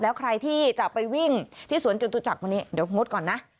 แล้วใครที่จะไปวิ่งที่สวนจตุจักรวันนี้เดี๋ยวงดก่อนนะ